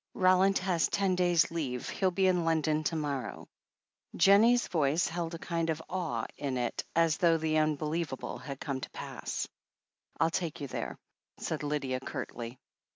Roland has ten days* leave — she'll be in London to morrow." Jennie's voice held a kind of awe in it, as though the unbelievable had come to pass. "FU take you there," said Lydia curtly.